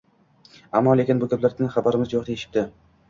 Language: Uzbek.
Ammo-lekin bu gaplardan xabarimiz yo‘q deyishipti.